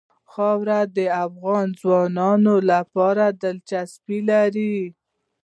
خاوره د افغان ځوانانو لپاره دلچسپي لري.